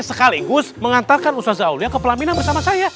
sekaligus mengantarkan ustazah aulia ke pelamina bersama saya